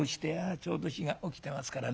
ちょうど火がおきてますからね